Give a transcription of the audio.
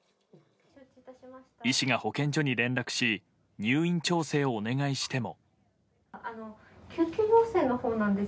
医師が保健所に連絡し入院調整をお願いしても。